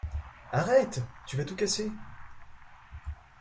Arrête! Tu vas tout casser!